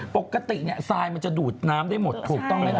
ปกติทรายมันจะดูดน้ำได้หมดถูกต้องไหมล่ะ